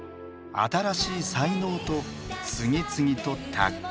新しい才能と次々とタッグ。